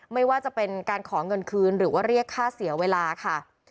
ไม่ว่าจะเป็นการขอเงินคืนหรือว่าเรียกค่าเสียเวลาค่ะ